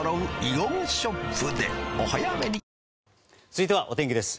続いてはお天気です。